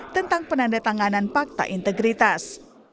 tentang penanda tanganan fakta integritas